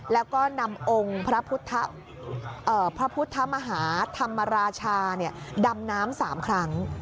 แล้วก็นำองค์พระพุทธมหาธรรมราชาดำน้ำ๓ครั้ง